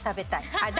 あっ！